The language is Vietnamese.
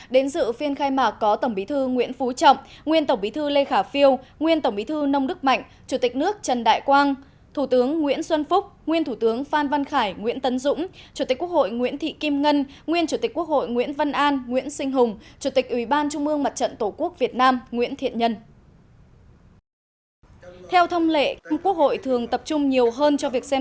đến dự phiên khai mạc có tổng bí thư nguyễn phú trọng nguyên tổng bí thư lê khả phiêu nguyên tổng bí thư nông đức mạnh chủ tịch nước trần đại quang thủ tướng nguyễn xuân phúc nguyên thủ tướng phan văn khải nguyễn tân dũng chủ tịch quốc hội nguyễn thị kim ngân nguyên chủ tịch quốc hội nguyễn văn an nguyễn sinh hùng chủ tịch ủy ban trung mương mặt trận tổ quốc việt nam nguyễn thiện nhân